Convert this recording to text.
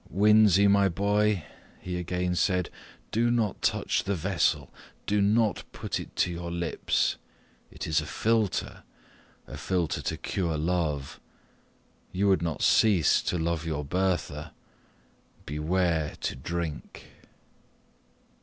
"Winzy, my boy," he again said, "do not touch the vessel do not put it to your lips; it is a philter a philter to cure love; you would not cease to love your Bertha beware to drink!"